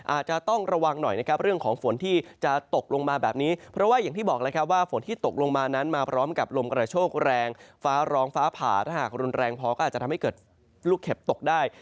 อาจจะต้องระวังหน่อยนะครับเรื่องของฝนที่จะตกลงมาแบบนี้เพราะว่าอย่างที่บอกแล้วครับว่าฝนที่ตกลงมานั้นมาพร้อมกับลมกระโชคแรงฟ้าร้องฟ้าผ่าถ้าหากรุนแรงพอก็อาจจะทำให้เกิดลูกเห็บตกได้